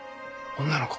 女の子。